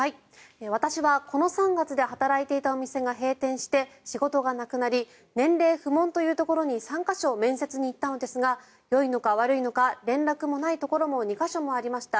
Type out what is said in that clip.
私はこの３月で働いていたお店が閉店して仕事がなくなり年齢不問というところに３か所面接に行ったのですがよいのか悪いのか連絡もないところも２か所もありました。